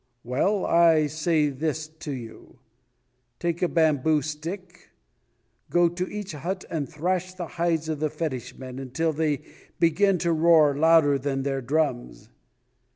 Well, I say this to you: take a bamboo stick, go to each hut and thrash the hides of the fetish men until they begin to roar louder than their drums.